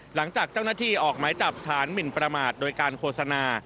หลังจากเจ้าหน้าที่ออกไม้จับฐานหมินประมาทโดยการโฆษณา